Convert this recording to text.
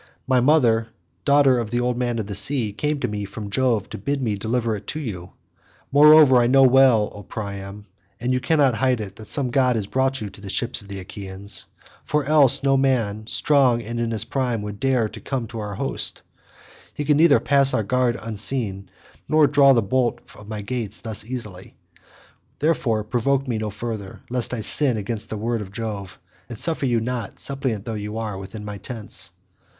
My mother, daughter of the old man of the sea, came to me from Jove to bid me deliver it to you. Moreover I know well, O Priam, and you cannot hide it, that some god has brought you to the ships of the Achaeans, for else, no man however strong and in his prime would dare to come to our host; he could neither pass our guard unseen, nor draw the bolt of my gates thus easily; therefore, provoke me no further, lest I sin against the word of Jove, and suffer you not, suppliant though you are, within my tents."